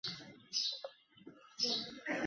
তুমি তো আমাকে বিশ্বাস করো না।